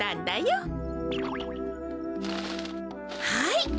はい！